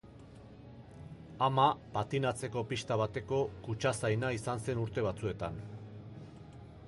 Ama patinatzeko pista bateko kutxazaina izan zen urte batzuetan.